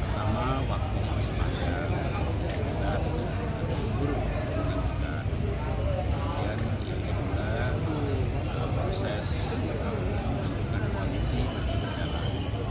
pertama waktu yang semangat dan kemudian di burung kemudian diantar proses untuk menentukan kondisi masih berjalan